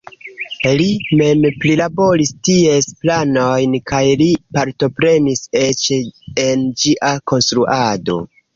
Li mem prilaboris ties planojn kaj li partoprenis eĉ en ĝia konstruado.